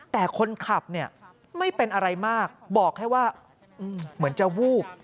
แต่คนขับเนี่ยไม่เป็นอะไรมากบอกแค่ว่าเหมือนจะวูบ